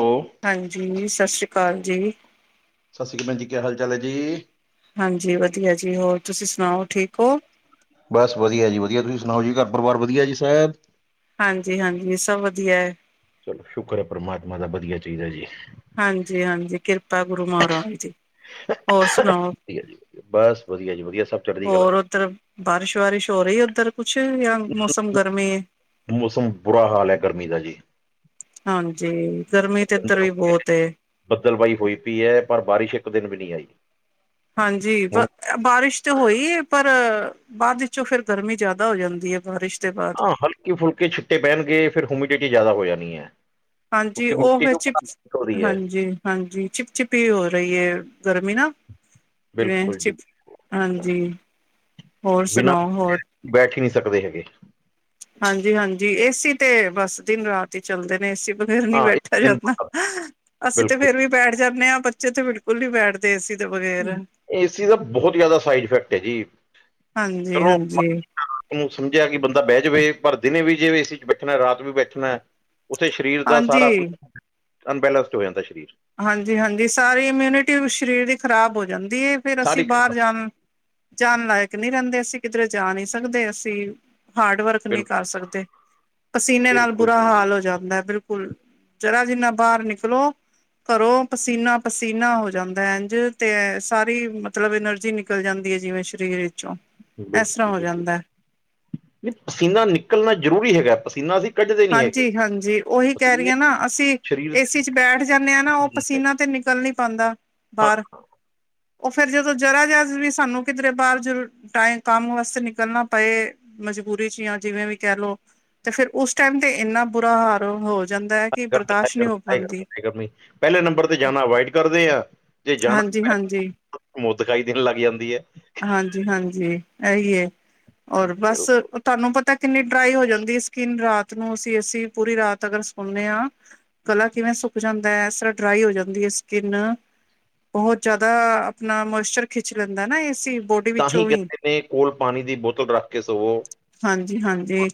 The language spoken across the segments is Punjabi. ਓ ਹਾਂਜੀ ਸਾਸਰੀ ਕਾਲ ਜੀ। ਸਾਸਰੀ ਕਾਲ ਭੈਣ ਜੀ ਕੀ ਹਾਲ ਚਾਲ ਹੈ ਜੀ। ਹਾਂਜੀ ਵਧੀਆ ਜੀ ਹੋਰ ਤੁਸੀਂ ਸੁਣਾਓ ਠੀਕ ਓ। ਬਸ ਵਧੀਆ ਜੀ ਵਧੀਆ ਤੁਸੀਂ ਸੁਣਾਓ ਜੀ ਘਰ ਪਰਿਵਾਰ ਵਧੀਆ ਜੀ ਸਭ। ਹਾਂਜੀ-ਹਾਂਜੀ ਸਭ ਵਧੀਆ। ਚਲੋ ਸ਼ੁਕਰ ਏ ਪ੍ਰਮਾਤਮਾ ਦਾ ਵਧੀਆ ਚਾਹੀਦਾ ਜੀ। ਹਾਂਜੀ-ਹਾਂਜੀ ਕਿਰਪਾ ਗੁਰੂ ਮਹਾਰਾਜ ਦੀ, ਹੋਰ ਸੁਣਾਓ। ਵਧੀਆ ਜੀ ਬਸ ਵਧੀਆ ਜੀ ਵਧੀਆ ਸਭ ਚੜ੍ਹਦੀ ਕਲਾ। ਹੋਰ ਉੱਧਰ ਬਾਰਿਸ਼ ਵਾਰਿਸ਼ ਹੋ ਰਹੀ ਉੱਧਰ ਕੁਛ ਜਾਂ ਮੌਸਮ ਗਰਮ ਏ? ਮੌਸਮ ਬੁਰਾ ਹਾਲ ਹੈ ਗਰਮੀ ਦਾ ਜੀ। ਹਾਂਜੀ ਗਰਮੀ ਤੇ ਇੱਧਰ ਵੀ ਬਹੁਤ ਏ। ਬੱਦਲਵਾਈ ਹੋਈ ਪਈ ਹੈ ਪਰ ਬਾਰਿਸ਼ ਇੱਕ ਦਿਨ ਵੀ ਨੀ ਆਈ। ਹਾਂਜੀ ਬ ਹੁਣ ਬਾਰਿਸ਼ ਤਾਂ ਹੋਈ ਹੈ ਪਰ ਬਾਅਦ ਵਿੱਚੋਂ ਫੇਰ ਗਰਮੀ ਜ਼ਿਆਦਾ ਹੋ ਜਾਂਦੀ ਆ ਬਾਰਿਸ਼ ਦੇ ਬਾਅਦ ਹਾਂ ਹਲਕੇ ਫੁਲਕੇ ਛਿੱਟੇ ਪਹਿਣਗੇ ਫਿਰ ਹੂਮਿਡਿਟੀ ਜ਼ਿਆਦਾ ਹੋ ਜਾਣੀ ਐ। ਹਾਂਜੀ ਉਹ ਫੇਰ ਚਿਪ, ਰਹੀ ਹੈ ਹਾਂਜੀ। ਹਾਂਜੀ ਚਿਪ-ਚਿਪ ਹੀ ਹੋ ਰਹੀ ਹੈ, ਗਰਮੀ ਨਾ। ਜਿਵੇਂ ਬਿਲਕੁਲ ਜੀ ਚਿਪ, ਹਾਂਜੀ, ਹੋਰ ਬਿਨਾਂ ਸੁਣਾਓ ਹੋਰ ਬੈਠ ਹੀ ਨਹੀ ਸਕਦੇ ਹੈਗੇ। ਹਾਂਜੀ-ਹਾਂਜੀ, ਏਸੀ ਤੇ ਬਸ ਦਿਨ ਰਾਤ ਹੀ ਚੱਲਦੇ ਨੇ ਏਸੀ। ਬਹੁਤ ਦੇਰ ਨੀ ਹਾਂ ਇੱਕ ਬੈਠਾ ਦਿਨ ਜਾਂਦਾ, ਅਸੀਂ ਤੇ ਫੇਰ ਬਿਲਕੁਲ ਵੀ ਬੈਠ ਜਾਣੇ ਆ ਬੱਚੇ ਤੇ ਬਿਲ ਬਿਲਕੁਲ ਨੀ ਬੈਠਦੇ ਏਸੀ ਦੇ ਵਗੈਰ। ਏਸੀ ਦਾ ਬਹੁਤ ਜ਼ਿਆਦਾ ਸਾਈਡ ਇਫੈਕਟ ਹੈ ਜੀ। ਹਾਂਜੀ-ਹਾਂਜੀ। ਰਾਤ ਨੂੰ ਸਮਝਿਆ ਕਿ ਬੰਦਾ ਬਹਿ ਜਾਵੇ ਪਰ ਦਿਨੇ ਵੀ ਜੇਵੇ ਏਸੀ ਚ ਬੈਠਣਾ ਰਾਤ ਵੀ ਬੈਠਣਾ। ਉੱਥੇ ਸਰੀਰ ਦਾ ਸਾਰਾ, ਹਾਂਜੀ ਅਨਬੈਲੈਂਸਡ ਹੋ ਜਾਂਦਾ ਸਰੀਰ। ਹਾਂਜੀ-ਹਾਂਜੀ, ਸਾਰੀ ਇਮਿਊਨਿਟੀ ਸਰੀਰ ਦੀ ਖ਼ਰਾਬ ਹੋ ਜਾਂਦੀ ਹੈ ਫਿਰ ਅਸੀਂ ਸਾਰੀ ਬਾਹਰ ਜਾਣ। ਜਾਣ ਲਾਇਕ ਨੀ ਰਹਿੰਦੇ ਅਸੀਂ ਕਿੱਧਰੇ ਜਾ ਨੀ ਸਕਦੇ ਅਸੀਂ। ਹਾਰਡ ਵਰਕ ਨੀ ਬਿਲਕੁਲ ਕਰ ਸਕਦੇ, ਪਸੀਨੇ ਨਾਲ ਬਿਲਕੁਲ ਬੁਰਾ ਜੀ ਹਾਲ ਹੋ ਜਾਂਦਾ ਬਿਲਕੁਲ ਉਲ, ਜਰਾ ਜਿੰਨਾ ਬਾਹਰ ਨਿਕਲੋ, ਘਰੋ ਪਸੀਨਾ-ਪਸੀਨਾ ਹੋ ਜਾਂਦਾ ਇੰਝ ਤੇ ਸਾਰੀ ਮਤਲਬ ਐਨਰਜੀ ਨਿ ਨਿਕਲ ਜਾਂਦੀ ਐ ਜਿਵੇਂ ਸਰੀਰ ਵਿੱਚੋਂ। ਇਸ ਤਰ੍ਹਾਂ ਬਿਲਕੁਲ ਹੋ ਜੀ, ਜਾਂਦਾ ਨਹੀ ਪਸੀਨਾ ਨਿਕਲਣਾ ਜ਼ਰੂਰੀ ਹੈਗਾ ਪਸੀਨਾ ਸੀ, ਹਾਂਜੀ-ਹਾਂਜੀ, ਉਹੀ ਕਹਿ ਰਹੀ ਹਾਂ ਨਾ ਅਸੀਂ ਸਰੀਰ ਏਸੀ ਚ ਬੈਠ ਜਾਣੇ ਆ ਨਾ ਉਹ ਦੇ ਪਸੀਨਾ ਤੇ ਨਿਕਲ ਨੀ ਪਾਂਦਾ ਹਾਂ ਬਾਹਰ ਉਹ ਫੇਰ ਜਦੋਂ ਜਰਾ ਜਿਹਾ ਵੀ ਸਾਨੂੰ ਕਿੱਧਰੇ ਬਾਹਰ ਟਾਈਮ ਕੰਮ ਵਾਸਤੇ ਨਿਕਲਣਾ ਪਏ, ਮਜਬੂਰੀ ਚ ਜਾ ਜਿਵੇਂ ਵੀ ਕਹਿ ਲੋ ਤੇ ਫਿਰ ਉਸ ਉਸ ਟਾਈਮ ਤੇ ਇੰਨਾ ਬੁਰਾ ਹਾਲ ਹੋ ਜਾਂਦਾ ਹੈ ਕਿ ਬਰਦਾਸ਼ਤ ਨਹੀ ਹੋ ਪਾਂਦੀ। ਐ ਗਰਮੀ, ਪਹਿਲੇ ਨੰਬਰ ਤੇ ਜਾਣਾ ਅਵਾਇਡ ਕਰਦੇ ਆ। ਹਾਂਜੀ-ਹਾਂਜੀ। ਮੋ ਦਿਖਾਈ ਦੇਣ ਲੱਗ ਜਾਂਦੀ ਐ। ਹਾਂਜੀ-ਹਾਂਜੀ, ਐਈ ਐ ਹੋਰ ਬਸ ਬਿਲਕੁਲ ਤੁਹਾਨੂੰ ਪਤਾ ਕਿੰਨੀ ਡਰਾਈ ਹੋ ਜਾਂਦੀ ਐ ਸਕਿੰਨ ਰਾਤ ਨੂੰ ਅਸੀਂ-ਅਸੀਂ ਪੂਰੀ ਰਾਤ ਅਗਰ ਸੌਣੇ ਆ। ਗਲਾ ਕਿਵੇਂ ਸੁੱਕ ਜਾਂਦਾ ਹੈ ਇਸ ਤਰ੍ਹਾਂ ਡਰਾਈ ਹੋ ਜਾਂਦੀ ਹੈ ਸਕਿੰਨ। ਬਹੁਤ ਜਿਆਦਾ ਆਪਣਾ ਮੋਇਸਚਰ ਖਿੱਚ ਲੈਂਦਾ ਨਾ ਏਸੀ ਬੋਟ ਤਾਹੀ ਕਹਿੰਦੇ ਨੇ ਕੋਲ ਪਾਣੀ ਦੀ ਬੋਤਲ ਰੱਖ ਕੇ ਸੌਵੋ। ਹਾਂਜੀ-ਹਾਂਜੀ,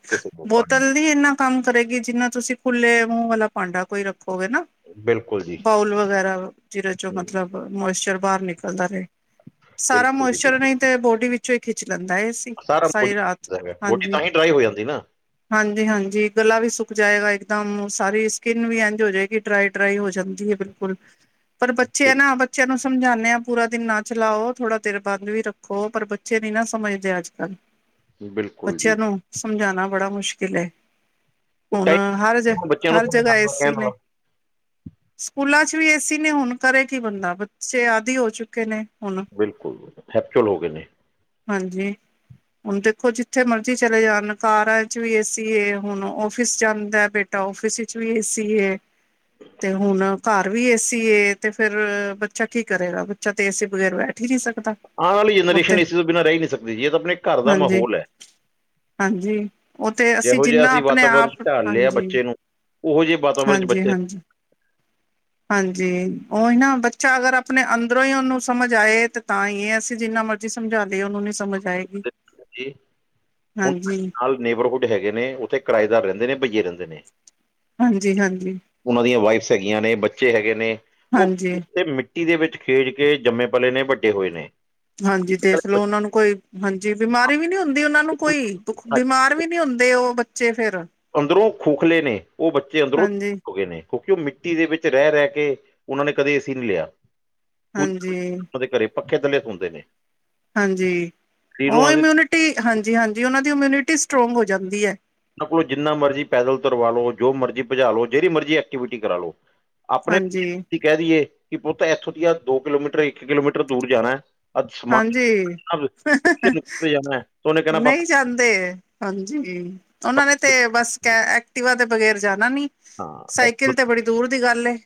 ਬੋਤਲ ਦੀ ਇਹਨਾਂ ਕੰਮ ਕਰੇਗੀ ਜਿੰਨਾ ਤੁਸੀਂ ਖੁੱਲੇ ਮੂੰਹ ਵਾਲਾ ਭਾਂਡਾ ਕੋਈ ਰੱਖੋਗੇ ਨਾ ਬਿਲਕੁਲ ਜੀ ਬਾਊਲ ਵਗੈਰਾ, ਜਿਹਦੇ ਚੋ ਹਮ, ਮਤਲਬ ਮੋਇਸਚਰ ਬਾਹਰ ਨਿਕਲਦਾ ਰਹੇ। ਸਾਰਾ ਬਿਲਕੁਲ ਜੀ ਬਿਲਕੁਲ ਮੋਇਸਚਰ ਨਹੀ ਤੇ ਬੋਡੀ ਵਿੱਚੋ ਹੀ ਖਿੱਚ ਲੈਂਦਾ ਏਸੀ ਸਾਰੀ ਰਾਤ। ਬੌਡੀ ਹਾਂਜੀ। ਤਾਂਹੀ ਡਰਾਈ ਹੋ ਜਾਂਦੀ ਨਾ ਹਾਂਜੀ-ਹਾਂਜੀ, ਗਲਾ ਵੀ ਸੁੱਕ ਜਾਏਗਾ ਇੱਕਦਮ ਸਾਰੀ ਸਕਿੰਨ ਵੀ ਇੰਝ ਹੋ ਜਾਏਗੀ। ਡਰਾਈ-ਡਰਾਈ ਹੋ ਜਾਂਦੀ ਹੈ ਬਿਲਕੁਲ। ਓ [unintelligible] ਪਰ ਬੱਚੇ ਆ ਨਾ ਬ ਬੱਚਿਆਂ ਨੂੰ ਸਮਝਾਨੇ ਆ ਪੂਰਾ ਦਿਨ ਨਾ ਚਲਾਓ ਥੋੜ੍ਹਾ ਦੇਰ ਬੰਦ ਵੀ ਰੱਖੋ ਪਰ ਬੱਚੇ ਨੀ ਨਾ ਸਮਝਦੇ ਅੱਜ-ਕੱਲ। ਬਿਲਕੁਲ ਜੀ ਬੱਚਿਆਂ ਨੂੰ, ਸਮਝਾਣਾ ਬੜਾ ਮੁਸ਼ਕਿਲ ਐ। ਉਹ ਹੁਣ, ਟਾਈਮ ਹਰ ਜ, ਬੱਚਿਆਂ ਨੂੰ ਹਰ ਜਗਾ ਸਮਝਾਉਣਾ ਏਸੀ ਕਹਿਣ ਨੇ ਵਾਲਾ ਸਕੂਲਾਂ 'ਚ ਵੀ ਏਸੀ ਨੇ, ਹੁਣ ਕਰੇ ਕੀ ਬੰਦਾ, ਬੱਚੇ ਆਦਿ ਹੋ ਚੁੱਕੇ ਨੇ। ਹੁਣ ਬਿਲਕੁਲ, ਹੈਪਚੁਅਲ ਹੋ ਗਏ ਨੇ ਹਾਂਜੀ, ਹੁਣ ਤੇ ਉਹ ਜਿੱਥੇ ਮਰਜ਼ੀ ਚਲੇ ਜਾਣ। ਕਾਰਾਂ ਵਿੱਚ ਵੀ ਏ ਸੀ ਏ ਹੁਣ, ਔਫਿਸ਼ ਜਾਂਦਾ ਬੇ। ਤਾਂ ਔਫਿਸ ਵਿਚ ਵੀ ਏ ਸੀ ਏ। ਤੇ ਹੁਣ ਘਰ ਵੀ ਏਸੀ ਏ ਤੇ ਫੇਰ, ਬੱਚਾ ਕੀ ਕਰੇਗਾ ਅਬ ਬਚਾ ਏ ਸੀ ਬਗੈਰ ਬੈਠ ਹੀ ਨਹੀਂ ਸਕਤਾ। ਆਣ ਆਲੀ ਜਨਰੇਸ਼ਨ, ਏਸੀ ਤੋਂ ਬਿਨਾਂ ਰਹਿ ਨਹੀਂ ਸਕਦੀ ਜੀ। ਇਹ ਤਾਂ ਆਪਣੇ ਘਰ ਦਾ ਹਾਂਜੀ ਮਾਹੌਲ ਐ। ਹਾਂਜੀ ਉਹ ਤੇ ਜਿਹੋ ਜਿਹਾ ਜਿੰਨਾ ਅਸੀਂ ਆਪਣੇ ਵਾਤਾਵਰਨ 'ਚ ਆਪ ਢਾਲ ਲਿਆ ਹਾਂਜੀ ਬੱਚੇ ਨੂੰ। ਉਹੋ ਜਿਹੇ ਵਾਤਾਵਰਨ 'ਚ ਹਾਂਜੀ ਬੱਚੇ। ਹਾਂਜੀ ਹਾਂਜੀ, ਉਹੀ ਨਾ ਬੱਚਾ ਅਗਰ ਆਪਣੇ ਅੰਦਰੋਂ ਹੀ ਉਹਨੂੰ ਸਮਝ ਆਏ, ਤੇ ਤਾਂ ਹੀ ਐਹ ਅਸੀਂ ਜਿੰਨਾ ਮਰਜ਼ੀ ਜੀ ਸਮਝਾ ਦੇ, ਉਹਨੂੰ ਨੀ ਸਮਝ ਆਏਗੀ। ਹਾਂਜੀ, ਹੁਣ ਹਾਂਜੀ ਨਾਲ ਨੇਬਰਹੁੱਡ ਹੈਗੇ ਨੇ। ਉੱਥੇ ਕਿਰਾਏਦਾਰ ਰੈਂਦੇ ਨੇ, ਬਈਏ ਰਹਿੰਦੇ ਨੇ। ਹਾਂਜੀ- ਹਾਂਜੀ ਉਹਨਾਂ ਦੀਆਂ ਵਾਈਫਸ ਹੈਗੀਆਂ ਨੇ, ਬੱਚੇ ਹੈਗੇ ਨੇ, ਉਹ ਹਾਂਜੀ ਤੇ ਮਿ ਮਿੱਟੀ ਦੇ ਵਿੱਚ ਖੇਡ ਕੇ, ਜੰਮੇ ਪਲੇ ਨੇ, ਵੱਡੇ ਹੋਏ ਨੇ। ਹਾਂਜੀ ਦੇਖਲਓ, ਉਹਨਾਂ ਨੂੰ ਕੋ। ਹਾਂਜੀ, ਬਿਮਾਰੀ ਵੀ ਨੀ ਹੁੰਦੀ ਉਹਨਾਂ ਨੂੰ ਕੋਈ, ਬਿਮਾਰ ਵੀ ਨੀ ਹੁੰਦੇ ਉਹ ਬੱਚੇ ਫੇਰ। ਅੰਦਰੋਂ ਖੋਖਲੇ ਨੇ, ਉਹ ਬੱਚੇ ਅੰਦਰੋਂ, ਹਾਂਜੀ ਹੋ ਗਏ ਨੇ ਕਿਉਂਕਿ, ਉਹ ਮਿੱਟੀ ਦੇ ਵਿੱਚ ਰਹਿ- ਰਹਿ ਕੇ, ਉਹਨਾਂ ਨੇ ਕਦੇ ਏ ਸੀ ਨਹੀਂ ਲਿਆ। ਉਨ, ਹਾਂਜੀ ਉਹਨਾਂ ਦੇ ਘਰੇ ਪੱਖੇ ਥੱਲੇ ਸੋਂਦੇ ਨੇ। ਹਾਂਜੀ, ਜ਼ੀਰੋ ਉਹ ਦੇ ਇਮਿਊਨਿਟੀ, ਹਾਂਜੀ- ਹਾਂਜੀ ਉਹਨਾਂ ਦੀ ਇਮਿਊਨਿਟੀ ਸਟਰੋਂਗ ਹੋ ਜਾਂਦੀ ਐ। ਉਹਨਾਂ ਕੋਲੋਂ ਜਿੰਨਾ ਮਰਜ਼ੀ ਪੈਦਲ ਤਰਵਾਲੋ, ਜੋ ਮਰਜ਼ੀ ਭਜ ਲਓ। ਜੇੜੀ ਮਰਜ਼ੀ ਐਕਟੀਵਿਟੀ ਕਰਾਲੋ। ਆਪਣੇ, ਪਿੰਡ ਹਾਂਜੀ 'ਚ ਹੀ ਕਹਿ ਦਈਏ, ਕਿ ਪੁੱਤ ਇੱਥੋਂ ਦੀਆ ਦੋ ਕਿਲੋਮੀਟਰ ਇੱਕ ਕਿਲੋਮੀਟਰ ਦੂਰ ਜਾਣਾ। ਅੱਜ ਸਮਾਨ ਹਾਂਜੀ, ਜਾਣਾ ਹੈ ਤਾਂ ਉਹਨੇ ਕਹਿਣਾ ਨਹੀਂ ਪਾਪਾ ਜਾਂਦੇ। ਹਾਂਜੀ, ਉਹਨਾਂ ਨੇ ਤੇ ਬਸ, ਕੈ ਐਕਟੀਵਾ ਦੇ ਬਗ਼ੈਰ ਜਾਣਾ ਨੀ। ਹਾਂ ਸਾਈਕਲ ਐਕਟਿਵ- ਤੇ ਬੜੀ ਦੂਰ ਦੀ ਗੱਲ ਐ,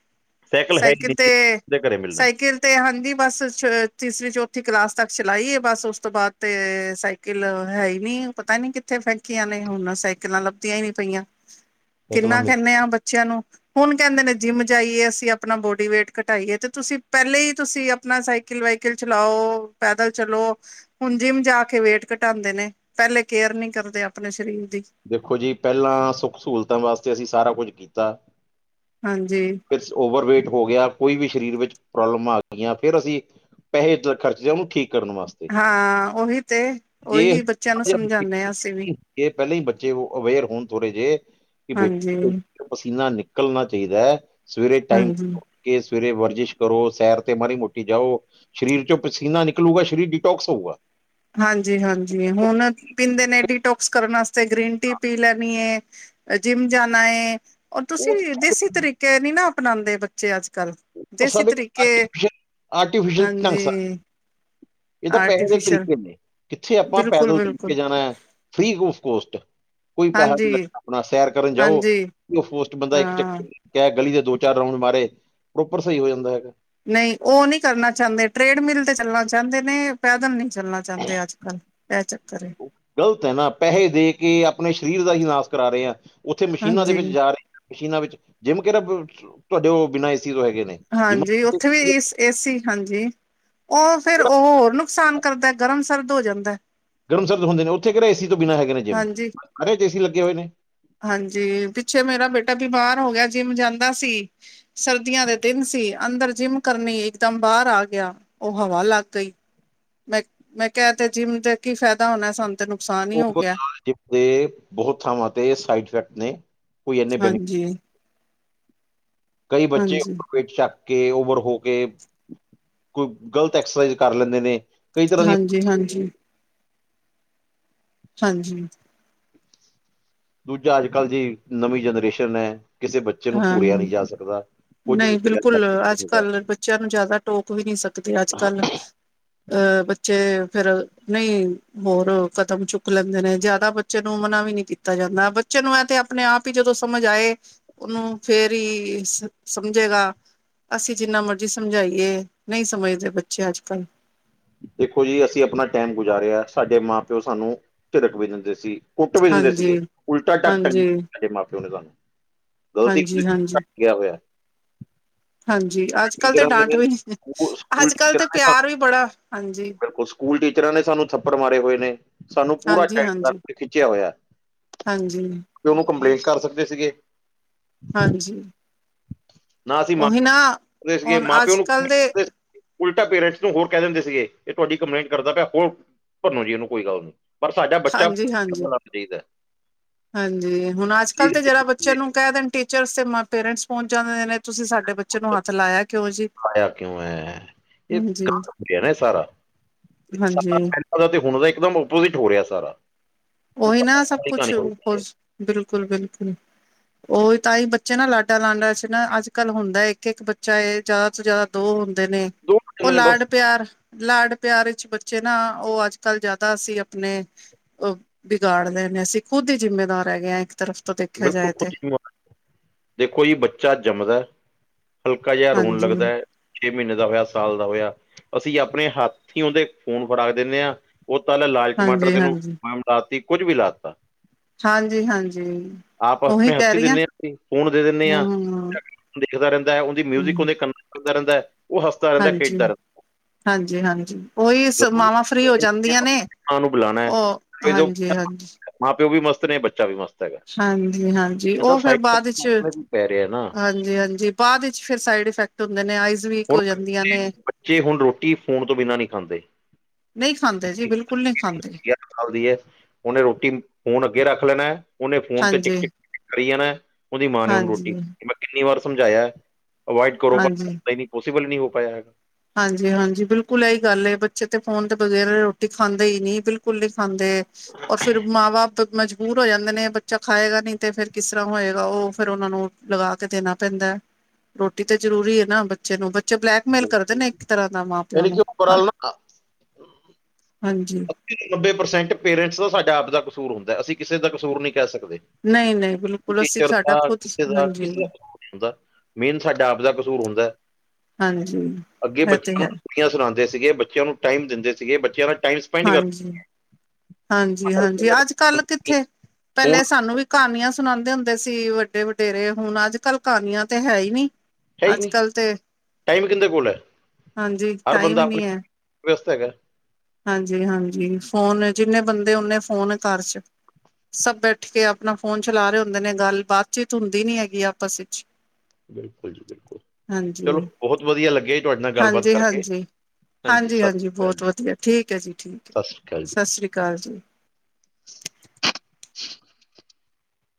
ਹੈ ਹੀ ਸਾਈਕਲ ਨਹੀਂ ਤੇ, ਦੇ ਘਰੇ ਮਿਲਣਾ ਸਾਈਕਲ ਤੇ ਆਉਂਦੀ ਬਸ, ਛ ਤੀਸਰੀ ਜੋਬ। ਚੋਥੀ ਕਲਾਸ ਤੱਕ ਚਲਾਈ ਏ ਬਸ। ਉਸ ਤੋਂ ਬਾਅਦ ਤੇ ਸਾਈਕਲ ਹੈ ਹੀ ਨੀ, ਪਤਾ ਨੀ ਕਿੱ ਕਿੱਥੇ ਫੇਕੀਆਂ ਨੇ ਹੁਣ, ਸਾਈਕਲਾਂ ਲੱਭਦੀਆਂ ਹੀ ਨਹੀਂ ਪਈਆਂ। [inaudible] ਕਿੰਨਾ ਮਿਲ ਕਹਿੰਦੇ ਆ ਬੱਚਿਆਂ ਨੂੰ ਹੁਣ ਕਹਿੰਦੇ ਨੇ ਜਿੰਮ ਜਾਈਏ, ਅਸੀਂ ਆਪਣਾ ਬੋਡੀ ਵੇਟ ਘਟਾਈਏ। ਤੇ ਤੁਸੀਂ ਪੈਲੇ ਹੀ ਤੁਸੀਂ ਆਪਣਾ ਸਾਈਕਲ ਵਾਈਕਲ ਚਲਾਓ, ਪੈਦਲ ਚਲੋ। ਹੁਣ ਜਿੰਮ ਜਾ ਕੇ ਵੇਟ ਘਟਾਉਂਦੇ ਨੇ। ਪੈਲੇ ਕੇਅਰ ਨੀ ਕਰਦੇ ਆਪਣੇ ਸਰੀਰ ਦੀ। ਦੇਖੋ ਜੀ, ਪਹਿਲਾਂ ਸੁੱਖ ਸਹੂਲਤਾਂ ਵਾਸਤੇ ਅਸੀਂ ਸਾਰਾ ਕੁੱਝ ਕੀਤਾ। ਹਾਂਜੀ। ਫੇਰ ਓਵਰਵੇਟ ਹੋ ਗਿਆ। ਕੋਈ ਵੀ ਸਰੀਰ ਵਿੱਚ ਪ੍ਰੋਬਲਮਾਂ ਆ ਗਈਆਂ। ਫਿਰ ਅਸੀਂ ਪੈਸੇ ਇੱਦਾ ਖਰਚਦੇ, ਉਹਨੂੰ ਠੀਕ ਕਰਨ ਵਾਸਤੇ। ਹਾਂ, ਉਹੀ ਤੇ। ਜੇ ‌ਉਹੀ ਬੱਚਿਆਂ ਨੂੰ ਸਮਝਾਉਂਦੇ ਅਸੀਂ ਵੀ। ਇਹ ਪਹਿਲਾਂ ਹੀ ਬੱਚੇ ਅਵੇਅਰ ਹੋਣ ਥੋੜੇ ਜਿਹੇ। ਕਿ ਬੇ ਹਾਂਜੀ ਪਸੀਨਾ ਨਿਕਲਣਾ ਚਾਹੀਦਾ। ਸਵੇਰੇ ਟਾਈਮ ਹਾਂਜੀ ਕੇ ਸਵੇਰੇ ਵਰਜਿਸ਼ ਕਰੋ, ਸੈਰ ਤੇ ਮਾੜੀ ਮੋਟੀ ਜਾਓ। ਸ਼ਰੀਰ'ਚੋ ਪਸੀਨਾ ਨਿਕਲੂਗਾ, ਸ਼ਰੀਰ ਡਿਟੋਕਸ ਹੋਊਗਾ। ਹਾਂਜੀ-ਹਾਂਜੀ, ਹੁਣ ਪੀਂਦੇ ਨੇ ਡੀਟੋਕਸ ਕਰਨ ਵਾਸਤੇ ਗ੍ਰੀਨ ਟੀ ਪੀ ਲੈਣੀ ਏ। ਜਿੰਮ ਜਾਣਾ ਏ, ਔਰ ਤੁਸੀਂ ਉਹ ਵੀ ਦੇਸੀ ਤਰੀਕੇ ਨੀ ਨਾ ਅਪਣਾਂਦੇ ਬੱ ਬੱਚੇ ਅੱਜ-ਕੱਲ, ਤਾਂ ਦੇਸੀ ਸਭ ਇੱਕ ਤਰੀਕੇ, ਆਰਟੀਫਿਸ਼ਲ ਆਰਟੀਫਿਸ਼ਲ ਢੰਗ ਹਾਂਜੀ। ਇਹ ਤਾਂ ਪੈਹੇ ਦੇ ਆਰਟੀਫਿਸ਼ਲ ਤਰੀਕੇ ਨੇ, ਕਿੱਥੇ ਆਪਾਂ ਪੈਦਲ ਤੁਰਕੇ ਬਿਲਕੁਲ-ਬਿਲਕੁਲ। ਜਾਣਾ, ਫ੍ਰੀ ਓਫ ਕੋਸਟ। ਕੋਈ ਪੈਹਾ ਨੀ ਲੱਗਣਾ ਹਾਂਜੀ-ਹਾਂਜੀ ਅਪਣਾ, ਸੈਰ ਕਰਨ ਜਾਓ, ਉ ਹੋਸਟ ਬੰਦਾ ਇੱਕ ਹਾਂ। ਚੱਕ ਕਹਿ ਗਲੀ ਦੇ ਦੋ, ਚਾਰ ਗ੍ਰਾਉਂਡ ਮਾਰੇ, ਪ੍ਰੋਪਰ ਸਹੀ ਹੋ ਜਾਂਦਾ ਹੈਗਾ। ਨਹੀਂ ਉਹ ਨਹੀ ਕਰਨਾ ਚਾਂਦੇ, ਟ੍ਰੇਡਮਿਲ ਤੇ ਚੱਲਣਾ ਚਾਂਦੇ ਨੇ, ਪੈਦਲ ਨਹੀਂ ਚੱਲਣਾ। ਜਾਂਦੇ ਅੱਜ-ਕੱਲ ਐ ਚੱਕਰ ਏ। ਗ਼ਲਤ ਐ ਨਾ, ਪੈਹੇ ਦੇਕੇ ਅਪਣੇ ਸ਼ਰੀਰ ਦਾ ਹੀ ਨਾਸ ਕਰਾ ਰਹੇ ਆ, ਉੱਥੇ ਮਸ਼ੀਨਾਂ ਦੇ ਵਿੱਚ ਹਾਂਜੀ-ਹਾਂਜੀ ਜਾ ਰਹੇ ਮਸ਼ੀਨਾਂ ਵਿੱਚ, ਜਿੰਮ ਕਹਿ ਤੁਹਾਡੇ ਉਹ ਬਿਨਾਂ ਏਸੀ ਤੋਂ ਹੈਗੇ ਨੇ। ਜਿਮ ਹਾਂਜੀ, ਉੱਥੇ ਵੀ ਏ, ਏਸੀ, ਹਾਂਜੀ। ਉਹ ਫੇਰ ਉਹ ਹੋਰ ਨੁਕਸਾਨ ਕਰਦੈ, ਗਰਮ-ਸਰਦ ਹੋ ਜਾਂਦਾ। ਗਰਮ ਸਰਦ ਹੁੰਦੇ ਨੇ, ਉੱਥੇ ਕਿਹੜਾ ਏਸੀ ਤੋਂ ਬਿਨਾਂ ਹੈਗੇ ਨੇ ਜਿੰਮ, ਹਾਂਜੀ। ਸਾਰਿਆ'ਚ ਏਸੀ ਲੱਗੇ ਹੋਏ ਨੇ। ਹਾਂਜੀ, ਪਿੱਛੇ ਮੇਰਾ ਬੇਟਾ ਬਿਮਾਰ ਹੋਗਿਆ ਜਿੰਮ ਜਾਂਦਾ ਸੀ। ਸਰਦੀਆਂ ਦੇ ਦਿਨ ਸੀ ਅੰਦਰ ਜਿੰਮ ਕਰਨੀ, ਇਕਦਮ ਬਾਹਰ ਆਗਿਆ। ਉਹ ਹਵਾ ਲੱਗ ਗਈ, ਮੈਂ, ਮੈਂ ਕਿਹਾ ਤੇ ਜਿੰਮ ਤੇ ਕੀ ਫਾਇਦਾ ਹੋਣਾ ਸਾਨੂੰ ਤੇ ਨੁਕਸਾਨ ਹੀ ਹੋ ਗਿਆ ਜਦੇ ਬਹੁਤ ਥਾਵਾਂ ਤੇ ਸਾਈਡ ਇਫੈਕਟ ਨੇ। ਕੋਈ ਇੰਨੇ ਬੈਨੀਫਿਟ ਹਾਂਜੀ। ਕਈ ਬੱਚੇ ਹਾਂਜੀ ਪੇਟ ਸ਼ ਕੇ ਓਵਰ ਹੋਕੇ, ਕੋਈ ਗਲਤ ਐਕਸਰਸਾਈਜ਼ ਕਰ ਲੈਂਦੇ ਨੇ। ਕਈ ਤਰ੍ਹਾਂ ਦੀ ਹਾਂਜੀ-ਹਾਂਜੀ। ਹਾਂਜੀ। ਦੂਜਾ ਅੱਜ-ਕੱਲ ਜੇ, ਨਵੀਂ ਜਨਰੇਸ਼ਨ ਐ, ਕਿਸੇ ਬੱਚੇ ਨੂੰ ਹਾਂ ਘੂਰਿਆ ਨਹੀਂ ਜਾ ਸਕਦਾ। ਕੁੱਝ ਨਹੀਂ, ਬਿਲਕੁਲ, ਅੱਜ-ਕੱਲ ਬੱਚਿਆਂ ਨੂੰ ਜ਼ਿਆਦਾ ਟੋਕ ਵੀ ਨਹੀ ਸਕਦੇ, ਅੱਜ-ਕੱਲ ਅਹ ਬੱਚੇ, ਫੇਰ ਨਹੀਂ ਹੋਰ ਕਦਮ ਚੁੱਕ ਲੈਂਦੇ ਨੇ, ਜ਼ਿਆਦਾ ਬੱਚੇ ਨੂੰ ਮਨਾ ਵੀ ਨੀ ਕੀਤਾ ਜਾਂਦਾ, ਬੱਚੇ ਨੂੰ ਐ ਤੇ ਅਪਣੇ-ਆਪ ਈ ਜਦੋਂ ਸਮਝ ਆਏ। ਉਹਨੁੰ ਫੇਰ ਈ ਸਮਝੇਗਾ, ਅਸੀਂ ਜਿੰਨਾ ਮਰਜ਼ੀ ਸਮਝਾਈਏ ਨਹੀਂ ਸਮਝਦੇ ਬੱਚੇ ਅੱਜ-ਕੱਲ। ਦੇਖੋ ਜੀ ਅਸੀਂ ਅਪਣਾ ਟਾਈਮ ਗੁਜ਼ਾਰਿਆ, ਸਾਡੇ ਮਾਂ-ਪਿਓ ਸਾਨੂੰ ਝਿੜਕ ਵੀ ਦਿੰਦੇ ਸੀ। ਕੁੱਟ ਵੀ ਦਿੰਦੇ ਹਾਂਜੀ ਸੀਗੇ, ਉਲਟਾ ਟੰਗ ਹਾਂਜੀ ਦਿੰਦੇ ਸੀ, ਮਾਂ-ਪਿਓ ਤੇ ਨਾਲ। ਗਲਤੀ ਹਾਂਜੀ ਕੀਤੀ ਹਾਂਜੀ ਘਟ ਗਿਆ ਹੋਇਆ। ਹਾਂਜੀ, ਅੱਜ-ਕੱਲ ਤੇ ਟੀਚਰਾਂ ਡਾਂਟ ਨੇ ਵਿਚ, ਨਹੀ ਸਕੂਲ ਅੱਜ-ਕੱਲ ਟੀਚਰਾਂ ਤੇ ਨੇ ਸਾਨੂੰ ਪਿਆਰ ਵੀ ਬੜਾ ਹਾਂਜੀ ਬਿਲਕੁਲ ਸਕੂਲ ਟੀਚਰਾਂ ਨੇ ਸਾਨੂੰ ਥੱਪੜ ਮਾਰੇ ਹੋਏ ਨੇ, ਸਾਨੂੰ ਪੂਰਾ ਹਾਂਜੀ ਟਾਇਟ ਹਾਂਜੀ ਕਰਕੇ ਖਿੱਚਿਆ ਹੋਇਆ। ਹਾਂਜੀ। ਤੇ ਉਹਨੂੰ ਕੰਪਲੇਂਟ ਕਰ ਸਕਦੇ ਸੀਗੇ। ਹਾਂਜੀ। ਨਾ ਅਸੀਂ ਉਹੀ ਨਾ ਮੰਗਦੇ ਸੀਗੇ, ਹੁਣ ਮਾਂ-ਪਿਓ ਅੱਜ ਨੂੰ, ਕੱਲ ਦੇ ਤੇ ਉਲਟਾ ਪੇਰੈਂਟਸ ਨੂੰ ਹੋਰ ਕਹਿ ਦਿੰਦੇ ਸੀਗੇ, ਇਹ ਤੁਹਾਡੀ ਕੰਪਲੇਂਟ ਕਰਦਾ ਪਿਆ ਹੋਰ, ਭੰਨੋ ਜੀ ਇਹਨੂੰ ਕੋਈ ਗੱਲ ਨਹੀਂ। ਪਰ ਸਾਡਾ ਬੱਚਾ [inaudible] ਹਾਂਜੀ ਹਾਂਜੀ ਲੱਗ ਚਾਹੀਦਾ। ਹਾਂਜੀ, ਹੁਣ ਅੱਜ-ਕੱਲ ਤੇ ਜਰਾ ਬੱਚਿਆਂ ਇਹ ਨੂੰ ਕਹਿ ਦੇਣ ਟੀਚਰਸ ਤੇ ਪੇਰੈਂਟਸ ਪਹੁੰਚ ਜਾਂਦੇ ਨੇ। ਤੁਸੀਂ ਸਾਡੇ ਬੱਚੇ ਨੂੰ ਹੱਥ ਲਾਇਆ ਕਿਉਂ ਜੀ। ਆਇਆ ਕਿਉਂ ਐਂ? ਇਹ ਹਾਂਜੀ ਗਲਤ ਹੋਗਿਆ ਨਾ, ਇਹ ਸਾਰਾ। ਇਹ ਸਾਰਾ ਹਾਂਜੀ। ਦਾ ਤੇ ਹੁਣ ਦਾ ਇੱਕਦਮ ਓਪੋਜਿਟ ਹੋ ਰੇਆ ਸਾਰਾ। ਓਹੀ ਉਤਾਰ ਨਾ ਸਭ ਵਾਲੀ ਕੁਛ ਕਹਾਣੀ ਹੋ ਰਹੀ ਹੈ [unintelligible] ਬਿਲਕੁਲ-ਬਿਲਕੁਲ ਓਈ ਤਾਂ ਈ ਬੱਚੇ ਨਾ ਲਾਡਾ ਲਾਂਡਾ ਚ ਨਾ ਅੱਜ-ਕੱਲ ਹੁੰਦਾ ਏਥੇ ਏਕ ਬੱਚਾ ਏ ਜਾਦਾ ਤੋਂ ਜਾਦਾ ਦੋ ਹੁੰਦੇ ਨੇ, ਦੋ ਓ ਜਣੇ ਨੇ ਬਸ ਲਾਡ-ਪਿਆਰ ਲਾਡ ਪਿਆਰ ਵਿਚ ਬੱਚੇ ਨਾ, ਓ ਅੱਜ-ਕੱਲ ਜਾਦਾ ਅਸੀਂ ਆਪਣੇ, ਓ ਵਿਗਾੜ ਲਏ ਨੇ ਅਸੀਂ ਖੁਦ ਹੀ ਜਿੰਮੇਵਾਰ ਹੈਗੇ ਆਂ ਏ [unintelligible] ਬਿਲਕੁਲ [unintelligible] ਦੇਖੋ ਜੀ ਬੱਚਾ ਜੰਮਦੈ ਹਲਕਾ ਜੂਆ ਰੋਣ ਲੱਗਦਾ ਹਾਂਜੀ ਐ। ਛੇ ਮੀਨੇ ਦਾ ਹੋਏਆ ਸਾਲ ਦਾ ਹੋਏਆ, ਅਸੀਂ ਆਪਣੇ ਹੱਥ ਈ ਓਦੇ ਖੂਨ ਫੜਾ ਦਿਂਦੇ ਆਂ। ਓ ਤਾਲੇ ਲਾਲ ਟਮਾਟਰ ਹਾਂਜੀ ਤੈਨੂੰ ਹਾਂਜੀ ਫਾਰਮ ਲਾਤੀ ਕੁੱਝ ਵੀ ਲਾ ਤਾ। ਹਾਂਜੀ-ਹਾਂਜੀ। ਆਪ ਉਹੀ ਆਪਣੇ ਕਹਿ ਹੱਥੀਂ ਰਹੀ ਹਾਂ ਦਿੰਨੇ ਆਂ ਅਸੀਂ ਫੂਨ ਦੇ ਦਿੰਦੇ ਆਂ ਹਮ ਦਿਖਦਾ ਰੈਂਦਾ ਐ ਓਦੀ ਹਮ ਮਿਊਜਿਕ ਓਦੇ ਕੰ ਦਾ ਰੈਂਦਾ ਓ ਹੱਸਦਾ ਰੈਂਦਾ ਹਾਂਜੀ ਖੇਡਦਾ। ਹਾਂਜੀ-ਹਾਂਜੀ ਓਈ ਸ ਮਾਵਾਂ ਫਰੀ ਹੋ ਜਾਂਦੀਆਂ ਨੇ। ਨਾ ਓਨੂੰ ਬੁਲਾਣਾ ਐ ਉਹ ਹਾਂਜੀ-ਹਾਂਜੀ [unintelligible] ਮਾਂ ਪਿਓ ਵੀ ਮਸਤ ਨੇ ਬੱਚਾ ਵੀ ਮਸਤ ਹੈਗਾ। ਹਾਂਜੀ-ਹਾਂਜੀ ਇਹਦਾ ਓ ਫੇਰ ਸਾਈਡ ਬਾਦ ਚ ਆਪਣੇ ਵੀ ਪੈ ਰਿਹਾ ਨਾ ਹਾਂਜੀ-ਹਾਂਜੀ ਬਾਦ ਚ ਫੇਰ ਸਾਈਡ ਈਫੈਕਟ ਹੁੰਦੇ ਨੇ ਆਈਜ਼ ਵੀਕ ਹੁਣ ਹੋ ਜਾਂਦੀਆਂ ਨੇ [unintelligible] ਬੱਚੇ ਹੁਣ ਰੋਟੀ ਫੂਨ ਤੋਂ ਬਿਨਾਂ ਨੀ ਖਾਂਦੇ। ਨਈ ਖਾਂਦੇ ਜੀ ਬਿਲਕੁਲ ਨਈ ਖਾਂਦੇ। ਖਾਵਦੀ ਐ, ਓਨੇ ਰੋਟੀ, ਫੂਨ ਅੱਗੇ ਰੱਖ ਲੈਣਾ, ਓਨੇ ਫੂਨ ਤੇ ਟਿਕ-ਟਿਕ ਕਰੀ ਜਾਣੈ, ਓਦੀ ਮਾਂ ਨੇ ਓਨੂੰ ਰੋਟੀ, ਹਾਂਜੀ-ਹਾਂਜੀ-ਹਾਂਜੀ ਮੈਂ ਕਿੰਨੀ ਵਾਰ ਸਮਜਾਏਆ, ਅਵਾਈਡ ਕਰੋ ਪਰ ਨਈ-ਨਈ ਪੋਸੀਬਲ ਨੀ ਹੋ ਪਾਏਆ ਹੈ। ਹਾਂਜੀ-ਹਾਂਜੀ ਬਿਲਕੁਲ ਐਈ ਗੱਲ ਏ ਬੱਚੇ ਤੇ ਫੂਨ ਤੇ ਬਗ਼ੈਰ ਰੋਟੀ ਖਾਂਦੇ ਈ ਨੀ ਬਿਲਕੁਲ ਨੀ ਖਾਂਦੇ। ਔ ਫੇਰ ਮਾਂ-ਬਾਪ ਮਜਬੂਰ ਹੋ ਜਾਂਦੇ ਨੇ ਬੱਚਾ ਖਾਏਗਾ ਨਈ ਤੇ ਫੇਰ ਕਿਸ ਤਰਾਂ ਹੋਏਗਾ ਓ ਫੇਰ ਓਨਾਂ ਨੂੰ ਲਗਾ ਕੇ ਦੇਣਾ ਪੈਂਦੈ, ਰੋਟੀ ਤੇ ਜ਼ਰੂਰੀ ਹੈ ਨਾ ਬੱਚੇ ਨੂੰ ਬੱਚੇ ਬਲੈਕ ਕਰਦੇ ਨੇ ਇਕ ਤਰਾਂ ਦਾ ਮਾਂ-ਪਿਓ ਯਾਨੀ ਕਿ ਨੂੰ ਹਾਂ, ਓਵਰਆਲ ਨਾ ਹਾਂਜੀ। ਨੱਬੇ ਪਰਸੈਂਟ ਪੇਰੰਸ ਸਾਡਾ ਆਪ ਦਾ ਕਸੂਰ ਹੁੰਦਾ ਅਸੀਂ ਕਿਸੇ ਦਾ ਕਸੂਰ ਨੀ ਕੈ ਸਕਦੇ। ਨਹੀਂ-ਨਹੀਂ ਬਿਲਕੁਲ ਅਸੀਂ ਸਾਡਾ ਖੁਦ ਹਾਂਜੀ-ਹਾਂਜੀ [unintelligible] ਮੇਨ ਸਾਡਾ ਆਪਦਾ ਕਸੂਰ ਹੁੰਦੈ। ਹਾਂਜੀ, ਐ ਤੇ ਹੈ। ਲੋਰੀਆਂ ਸੁਣਾਦੇਂ ਸੀਗੇ ਬੱਚੇਆਂ ਨੂੰ ਟਾਈਮ ਦਿੰਦੇ ਸੀਗੇ ਬੱਚੇਆਂ ਨਾ ਟਾਈਮ ਸ ਹਾਂਜੀ, ਕਰਨਾ ਹਾਂਜੀ-ਹਾਂਜੀ ਅੱਜ-ਕੱਲ ਕਿਥੇ, ਫੋਨ ਪੈਂਲੇ ਸਾਨੂੰ ਵੀ ਕਾਨੀਆ ਸੁਨਾਉਂਦੇ ਹੁੰਦੇ ਸੀ ਵੱਡੇ-ਵਡੇਰੇ ਹੁਣ ਅੱਜ-ਕੱਲ ਕਾਨੀਆਂ ਤੇ ਹੈ ਈ ਨੀ। ਹੈ ਹੀ ਨਹੀਂ ਅੱਜ-ਕੱਲ ਤੇ, ਟਾਈਮ ਕਿੰਦੇ ਕੋਲ ਹੈ ਹਾਂਜੀ ਹਰ ਟਾਈਮ ਬੰਦਾ ਈ ਆਪਣਾ ਨੀ ਐ। ਵਿਅਸਤ ਹੈਗਾ। ਹਾਂਜੀ-ਹਾਂਜੀ ਫੋਨ ਏ ਜਿਨੇ ਬੰਦੇ ਓਨੇ ਫੋਨ ਘਰ ਚ। ਸਭ ਬੈਠ ਕੇ ਆਪਣਾ ਫੋਨ ਚਲਾ ਰਏ ਹੁੰਦੇ ਨੇ ਗੱਲ-ਬਾਤ ਚੀਤ ਹੁੰਦੀ ਨੀ ਹੈਗੀ ਆਪਸ ਵਿਚ ਬਿਲਕੁਲ ਜੀ ਬਿਲਕੁਲ, ਚਲੋ ਬਹੁਤ ਵਦੀਆ ਲੱਗੇਆ ਜੀ ਤੁਹਾਡੇ ਨਾਲ ਗੱਲ ਬਾਤ ਕਰਕੇ। ਹਾਂਜੀ-ਹਾਂਜੀ, ਹਾਂਜੀ ਸਤਿ ਹਾਂਜੀ-ਹਾਂਜੀ ਸ਼੍ਰੀ ਅਕਾਲ ਬਹੁਤ ਜੀ ਵਦੀਆ ਠੀਕ ਐ ਜੀ ਠੀਕ ਏ ਐ, ਸਤਿ ਸ਼੍ਰੀ ਅਕਾਲ ਜੀ ਸਸਰੀ ਕਾਲ ਜੀ।